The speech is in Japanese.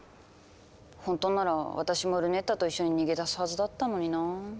ほんとなら私もルネッタと一緒に逃げ出すはずだったのにな。